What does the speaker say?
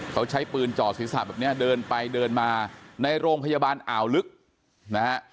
เขาใช้ปืนจ่อศีรษะแบบนี้เดินไปเดินมาในโรงพยาบาลอ่าวลึกนะฮะ